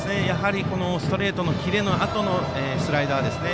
ストレートのキレのあとのスライダーですね。